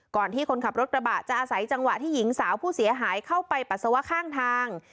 ที่คนขับรถกระบะจะอาศัยจังหวะที่หญิงสาวผู้เสียหายเข้าไปปัสสาวะข้างทาง